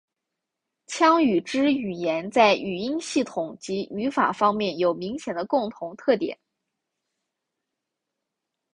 羌语支语言在语音系统及语法方面有明显的共同特点。